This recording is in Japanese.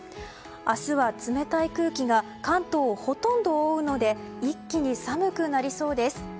明日は冷たい空気が関東をほとんど覆うので一気に寒くなりそうです。